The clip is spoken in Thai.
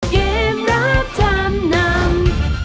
เกมรับจำนำ